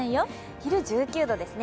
昼１９度ですね。